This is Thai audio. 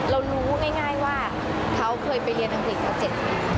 รู้ง่ายว่าเขาเคยไปเรียนอังกฤษมา๗ปี